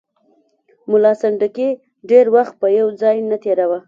ملا سنډکي ډېر وخت په یو ځای نه تېراوه.